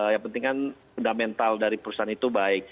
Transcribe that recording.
yang penting kan sudah mental dari perusahaan itu baik